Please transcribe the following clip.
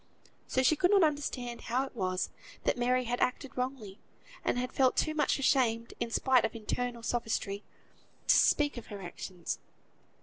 So she could not understand how it was that Mary had acted wrongly, and had felt too much ashamed, in spite of all internal sophistry, to speak of her actions.